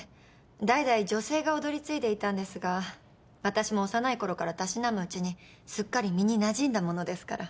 代々女性が踊り継いでいたんですが私も幼いころからたしなむうちにすっかり身になじんだものですから。